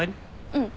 うん。